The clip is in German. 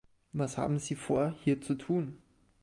Was haben Sie vor, hier zu tun?